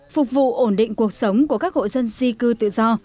phục vụ ổn định cuộc sống của các hộ dân di cư tự do